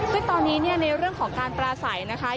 ซึ่งตอนนี้เนี่ยในเรื่องของการปราศัยนะคะ